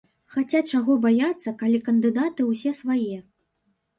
Хаця чаго баяцца, калі кандыдаты ўсе свае.